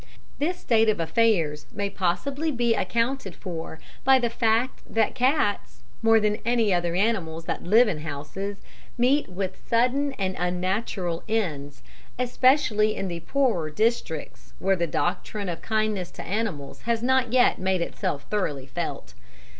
This state of affairs may possibly be accounted for by the fact that cats, more than any other animals that live in houses, meet with sudden and unnatural ends, especially in the poorer districts, where the doctrine of kindness to animals has not as yet made itself thoroughly felt.